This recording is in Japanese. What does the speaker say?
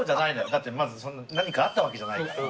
だってまずそんな何かあったわけじゃないから。